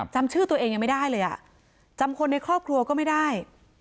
จำชื่อตัวเองยังไม่ได้เลยอ่ะจำคนในครอบครัวก็ไม่ได้